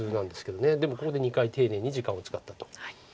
でもここで２回丁寧に時間を使ったと。